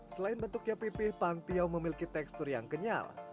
selain bentuknya pipih pantiau memiliki tekstur yang kenyal